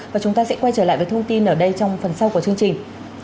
và chúng ta sẽ quay trở lại với thông tin ở đây trong phần sau của chương trình